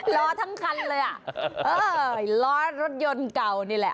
ล้อทั้งคันเลยอ่ะเออไอ้ล้อรถยนต์เก่านี่แหละ